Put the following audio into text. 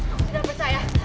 aku tidak percaya